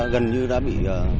gần như đã bị